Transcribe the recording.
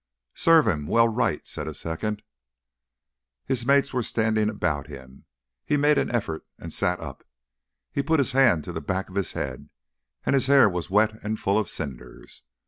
"Serve him well right," said a second. His mates were standing about him. He made an effort and sat up. He put his hand to the back of his head, and his hair was wet and full of cinders.